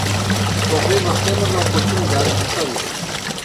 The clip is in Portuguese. Talvez apenas a oportunidade de sair